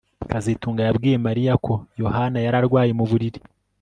kazitunga yabwiye Mariya ko Yohana yari arwaye mu buriri